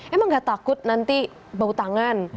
emang gak takut nanti bau tangan